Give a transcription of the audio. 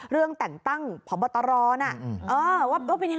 เรื่องแต่งตั้งพอบตรร้อน